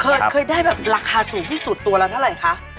เคยได้แบบราคาสูงที่สุดตัวละเท่าไหร่คะ